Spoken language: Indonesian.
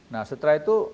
nah setelah itu